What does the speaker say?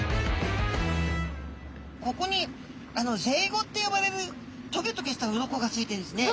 ここにぜいごってよばれるトゲトゲした鱗がついているんですね。